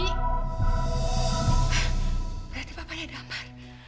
hah berarti papanya damar